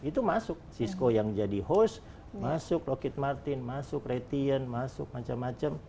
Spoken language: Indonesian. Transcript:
itu masuk cisco yang jadi host masuk locket martin masuk retient masuk macam macam